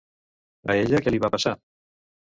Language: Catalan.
A ella què li va passar?